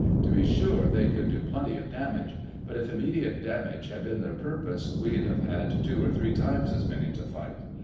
To be sure, they could do plenty of damage. But if immediate damage had been their purpose, we'd have had two or three times as many to fight.